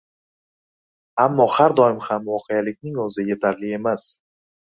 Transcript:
Ammo har doim ham voqelikning o‘zi yetarli emas.